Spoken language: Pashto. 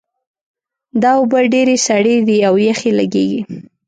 دا اوبه ډېرې سړې دي او یخې لګیږي